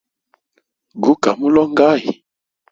Gu ka mulongʼayi?